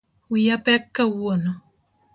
Wiya pek kawuono